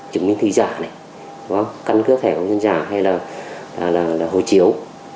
chứng minh thúy giả căn cơ thẻ hồ sơ giả hay là hồ chiếu